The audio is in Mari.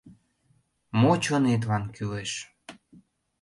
Мо чонетлан кӱлеш.